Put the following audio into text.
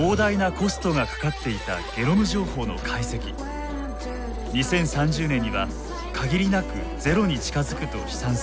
２０３０年には限りなくゼロに近づくと試算されています。